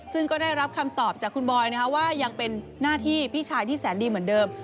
ซึ่งก็ได้รับคำตอบจากคุณบอยว่ายังเป็นหน้าที่พี่ชายที่แสนดีเหมือนเดิม